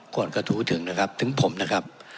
กระทู้ถึงนะครับถึงผมนะครับ